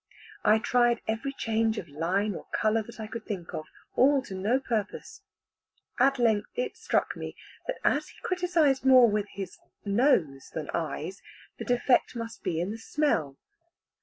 I tried every change of line or colour that I could think of all to no purpose. At length it struck me that as he criticised more with nose than eyes, the defect must be in the smell.